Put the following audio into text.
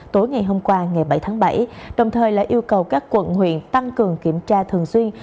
tối ngày hôm qua ngày bảy tháng bảy đồng thời là yêu cầu các quận huyện tăng cường kiểm tra thường xuyên